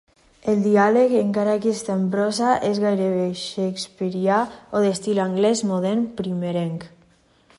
El diàleg, encara que està en prosa, és gairebé shakespearià, o d'estil anglès modern primerenc.